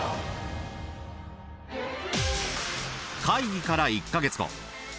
会議から１か月後。